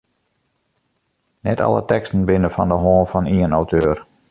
Net alle teksten binne fan de hân fan ien auteur.